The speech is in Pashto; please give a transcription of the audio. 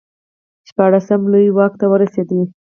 شپاړسم لویي واک ته ورسېد.